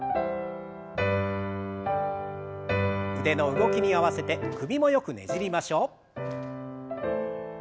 腕の動きに合わせて首もよくねじりましょう。